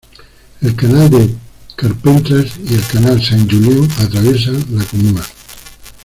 El canal de Carpentras y el canal Saint-Julien atraviesan la comuna.